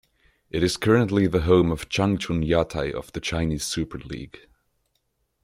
It is currently the home of Changchun Yatai of the Chinese Super League.